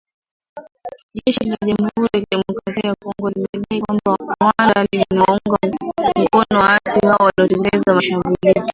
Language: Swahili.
Jeshi la Jamhuri ya Kidemokrasia ya Kongo limedai kwamba, Rwanda inawaunga mkono waasi hao kutekeleza mashambulizi